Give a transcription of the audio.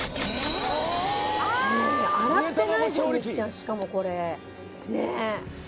しかもこれねぇ。